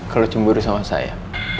kalau cemburu sama saya